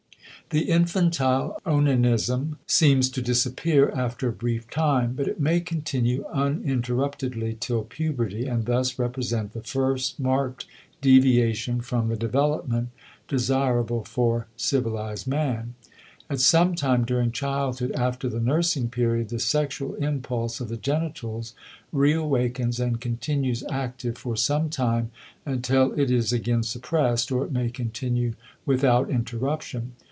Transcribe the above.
The infantile onanism seems to disappear after a brief time, but it may continue uninterruptedly till puberty and thus represent the first marked deviation from the development desirable for civilized man. At some time during childhood after the nursing period, the sexual impulse of the genitals reawakens and continues active for some time until it is again suppressed, or it may continue without interruption.